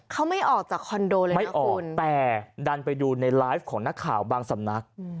เขาไม่ออกจากคอนโดเลยไม่ออกแต่ดันไปดูในไลฟ์ของนักข่าวบางสำนัก